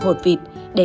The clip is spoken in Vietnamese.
là những ví dụ rất nhỏ